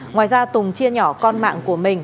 ngoài ra tùng chia nhỏ con mạng của mình